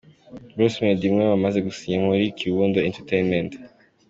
Bruce Melody umwe mu bamaze gusinya muri Kiwundo Entertainment.